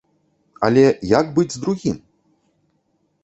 Але як быць з другім?